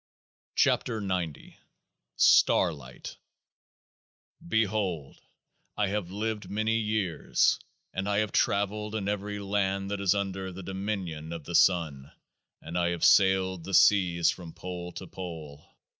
107 KEOAAH P STARLIGHT Behold ! I have lived many years, and I have travelled in every land that is under the dominion of the Sun, and I have sailed the seas from pole to pole.